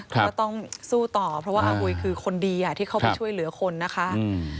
ก็ต้องสู้ต่อเพราะว่าอาหุยคือคนดีอ่ะที่เข้าไปช่วยเหลือคนนะคะ